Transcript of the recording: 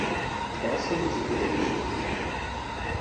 Zdá se mi, že to doposud chybí.